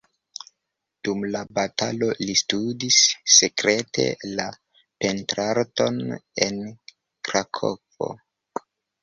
Dum la batalo li studis sekrete la pentrarton en Krakovo.